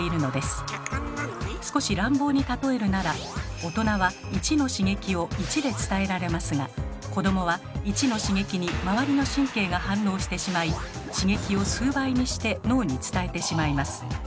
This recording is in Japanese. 少し乱暴に例えるなら大人は１の刺激を１で伝えられますが子どもは１の刺激に周りの神経が反応してしまい刺激を数倍にして脳に伝えてしまいます。